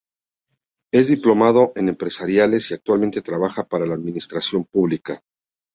Es diplomado en empresariales y actualmente trabaja para la administración pública.